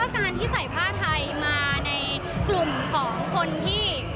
การที่ใส่ผ้าไทยมาในกลุ่มของคนที่